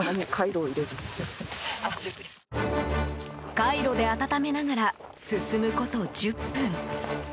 カイロで温めながら進むこと１０分。